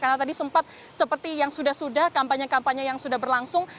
karena tadi sempat seperti yang sudah sudah kampanye kampanye yang sudah berlangsung